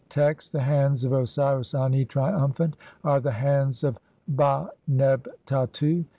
Text : (8) The hands of Osiris Ani, triumphant, are the hands of Ba neh Tattu.